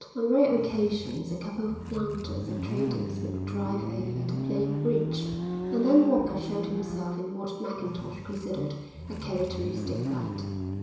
On rare occasions a couple of planters or traders would drive over to play bridge, and then Walker showed himself in what Mackintosh considered a characteristic light.